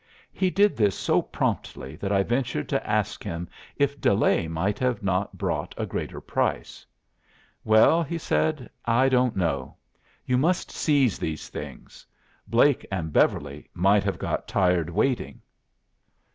He did this so promptly that I ventured to ask him if delay might not have brought a greater price. 'Well', he said, 'I don't know. You must seize these things. Blake and Beverly might have got tired waiting."